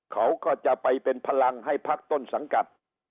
เขาก็จะไปเป็นพลังให้พักต้นสังกัด